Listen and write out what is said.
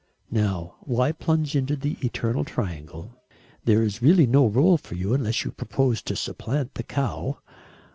"Now, why plunge into the eternal triangle? There is really no rôle for you unless you propose to supplant the cow.